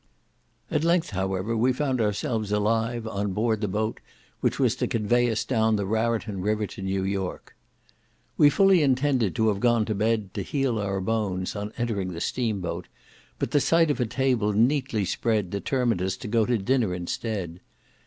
At length, however, we found ourselves alive on board the boat which was to convey us down the Raraton River to New York. We fully intended to have gone to bed, to heal our bones, on entering the steam boat, but the sight of a table neatly spread determined us to go to dinner instead.